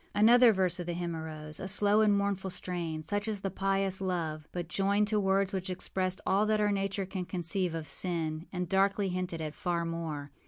Another verse of the hymn arose, a slow and mournful strain, such as the pious love, but joined to words which expressed all that our nature can conceive of sin, and darkly hinted at far more.